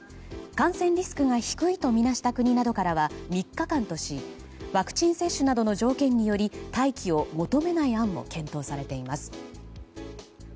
感染リスクが低いとみなした国などからは３日間としワクチン接種などの条件により待機を求めない案も検討されています。